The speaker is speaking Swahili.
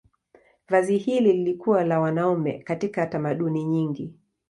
Vazi hili lilikuwa la wanaume katika tamaduni nyingi.